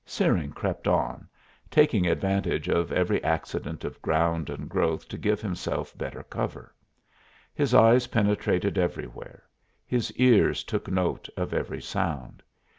Searing crept on, taking advantage of every accident of ground and growth to give himself better cover. His eyes penetrated everywhere, his ears took note of every sound.